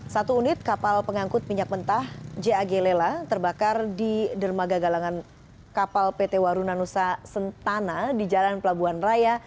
satu unit kapal pengangkut minyak mentah jag lela terbakar di dermaga galangan kapal pt warunanusa sentana di jalan pelabuhan raya